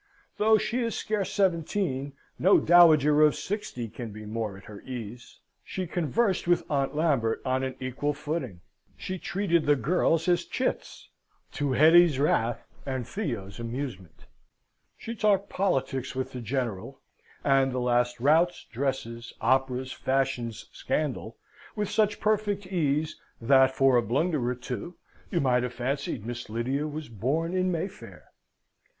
Though she is scarce seventeen, no dowager of sixty can be more at her ease. She conversed with Aunt Lambert on an equal footing; she treated the girls as chits to Hetty's wrath and Theo's amusement. She talked politics with the General, and the last routs, dresses, operas, fashions, scandal, with such perfect ease that, but for a blunder or two, you might have fancied Miss Lydia was born in Mayfair.